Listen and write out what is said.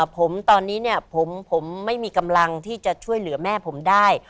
ผมตอนนี้ผมไม่มีกำลังที่จะช่วยเหลือแม่ผมได้